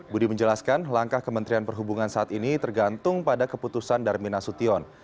budi menjelaskan langkah kementerian perhubungan saat ini tergantung pada keputusan darmin nasution